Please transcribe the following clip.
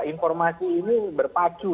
informasi ini berpacu